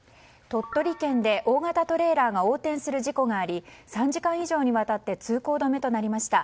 鳥取県で大型トレーラーが横転する事故があり３時間以上にわたって通行止めとなりました。